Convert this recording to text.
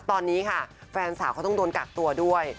ตอนนี้ค่ะแฟนสาวเขาต้องโดนกักตัวด้วย